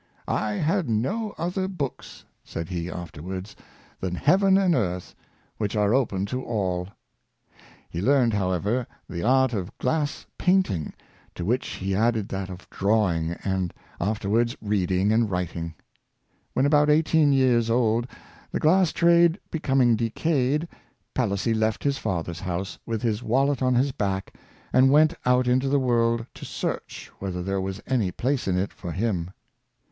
" I had no other books, ^' said he, afterwards, " than heaven and earth, which are open to all." Fie learned, howev er, the art of glass painting, to which he added that of drawing, and afterwards reading and writing. When about eighteen years old, the glass trade be coming decayed, Palissy left his father's house, with his wallet on his back, and went out into the world to search whether there was any place in it for him.